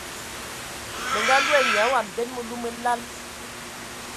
Mə nga loe nya wam nden məlu mə lal.